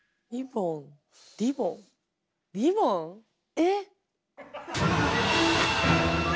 えっ⁉